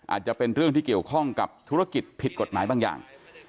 อาจจะเป็นเรื่องที่เกี่ยวข้องกับธุรกิจผิดกฎหมายบางอย่าง